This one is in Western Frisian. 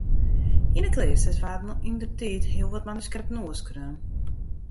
Yn 'e kleasters waarden yndertiid hiel wat manuskripten oerskreaun.